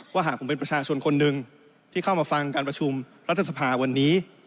หากผมเป็นประชาชนคนหนึ่งที่เข้ามาฟังการประชุมรัฐสภาวันนี้